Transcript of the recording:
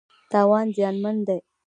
تاوان زیانمن دی.